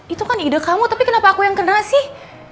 itu kan ide kamu tapi kenapa aku yang generasi